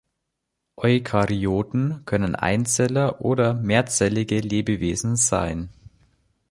Eukaryoten können Einzeller oder mehrzellige Lebewesen sein.